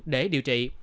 để điều trị